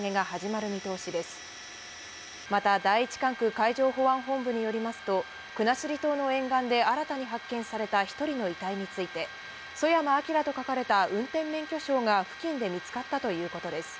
また、第１管区海上保安本部によりますと、国後島の沿岸で新たに発見された１人の遺体について、ソヤマ・アキラと書かれた運転免許証が付近で見つかったということです。